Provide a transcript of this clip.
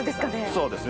そうですね